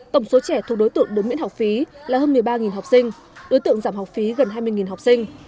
tổng số trẻ thuộc đối tượng được miễn học phí là hơn một mươi ba học sinh đối tượng giảm học phí gần hai mươi học sinh